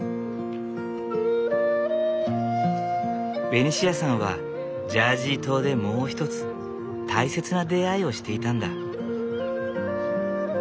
ベニシアさんはジャージー島でもう一つ大切な出会いをしていたんだ。